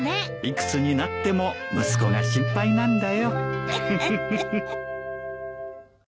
幾つになっても息子が心配なんだよ。